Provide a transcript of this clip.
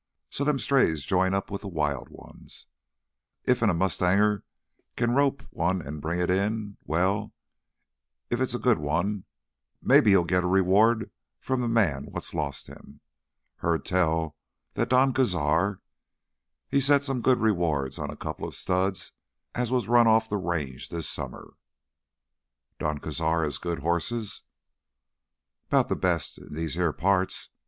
So them strays join up with th' wild ones. Iffen a mustanger can rope him one an' bring it in ... well, if it's a good one, maybe so he'll git a reward from th' man what's lost him. Heard tell that Don Cazar, he's set some good rewards on a coupla studs as was run off th' Range this summer." "Don Cazar has good horses?" "'Bout th' best in these here parts.